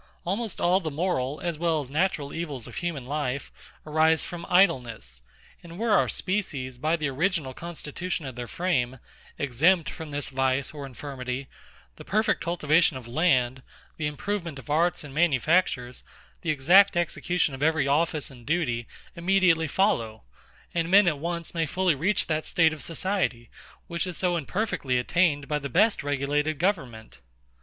Almost all the moral, as well as natural evils of human life, arise from idleness; and were our species, by the original constitution of their frame, exempt from this vice or infirmity, the perfect cultivation of land, the improvement of arts and manufactures, the exact execution of every office and duty, immediately follow; and men at once may fully reach that state of society, which is so imperfectly attained by the best regulated government.